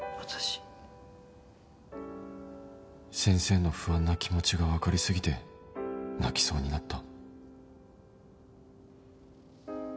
先生の不安な気持ちがわかりすぎて泣きそうになった